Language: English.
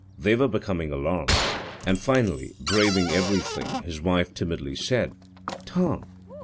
They were becoming alarmed, and finally braving everything his wife timidly said, "Tom!"